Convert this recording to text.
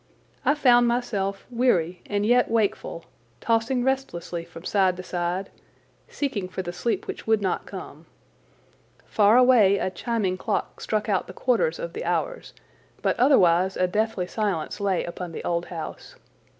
I found myself weary and yet wakeful, tossing restlessly from side to side, seeking for the sleep which would not come. Far away a chiming clock struck out the quarters of the hours, but otherwise a deathly silence lay upon the old house.